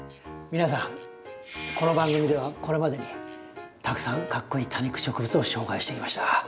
皆さんこの番組ではこれまでにたくさんかっこイイ多肉植物を紹介してきました。